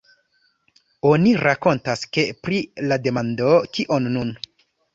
Oni rakontas, ke pri la demando "Kion nun?